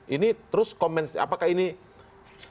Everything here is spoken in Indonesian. ini terus kembali ke teknis